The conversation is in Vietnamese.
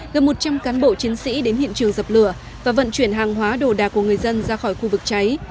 gần một trăm linh cán bộ chiến sĩ đến hiện trường dập lửa và vận chuyển hàng hóa đồ đà của người dân ra khỏi khu vực cháy